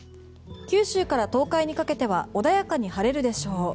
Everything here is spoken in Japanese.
九州から東海にかけては穏やかに晴れるでしょう。